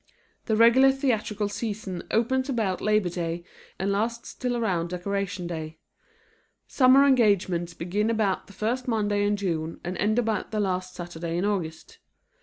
The regular theatrical season opens about Labor Day and lasts till around Decoration Day. Summer engagements begin about the first Monday in June and end about the last Saturday in August.